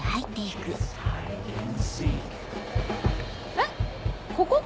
えっここ？